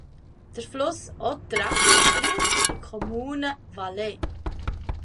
Der Fluss Otra fließt durch die Kommune Valle.